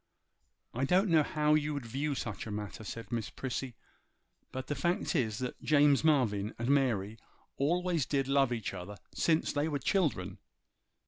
'I don't know how you would view such a matter,' said Miss Prissy; 'but the fact is, that James Marvyn and Mary always did love each other ever since they were children.